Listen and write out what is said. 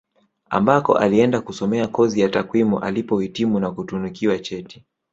Ambako alienda kusomea kozi ya takwimu alipohitimu na kutunikiwa cheti